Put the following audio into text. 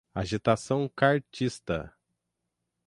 Agitação Cartista